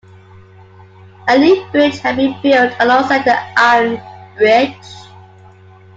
A new bridge had been built alongside the iron bridge.